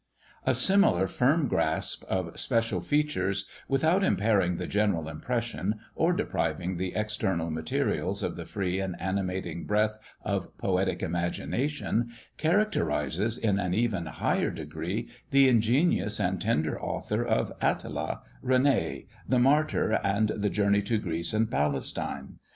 "A similar firm grasp of special features, without impairing the general impression, or depriving the external materials of the free and animating breath of poetic imagination, characterises in an even higher degree the ingenious and tender author of "Atala," "René," "the Martyr," and the "Journey to Greece and Palestine."